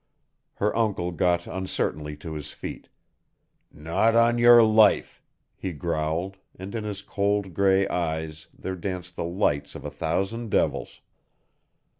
Her uncle got uncertainly to his feet. "Not on your life!" he growled, and in his cold gray eyes there danced the lights of a thousand devils.